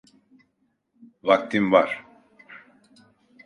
Vaktim var.